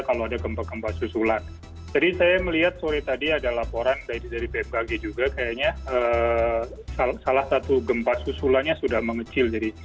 kempa kempa susulan jadi saya melihat sore tadi ada laporan dari bmkg juga kayaknya salah satu gempa susulannya sudah mengecil